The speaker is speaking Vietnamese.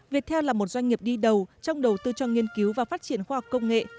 việt theo là một doanh nghiệp đi đầu trong đầu tư cho nghiên cứu và phát triển khoa học công nghệ